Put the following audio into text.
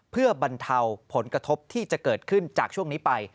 เพื่อบรรเทาผลกระทบที่จะเกิดขึ้นจากช่วงนี้ไป